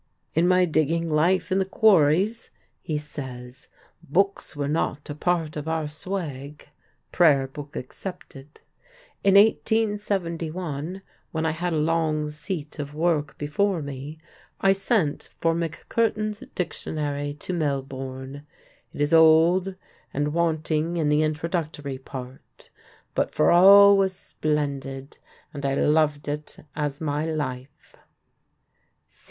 "In my digging life in the quarries," he says, "books were not a part of our swag (prayerbook excepted). In 1871, when I had a long seat of work before me, I sent for McCurtin's Dictionary to Melbourne. It is old and wanting in the introductory part, but for all was splendid and I loved it as my life."